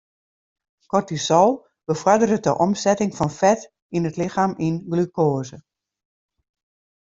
Kortisol befoarderet de omsetting fan fet yn it lichem yn glukoaze.